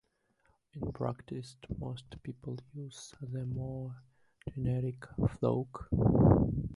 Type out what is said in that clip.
In practice, most people use the more generic "flock".